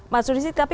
mas sudi tapi